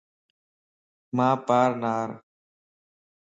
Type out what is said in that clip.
مان پار نار